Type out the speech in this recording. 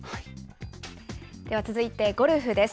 では、続いてゴルフです。